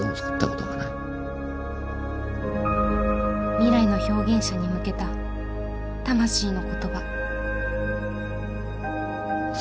未来の表現者に向けた魂の言葉。